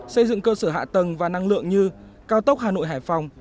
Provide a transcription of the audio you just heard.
xây dựng cơ sở hạ tầng và năng lượng như cao tốc hà nội hải phòng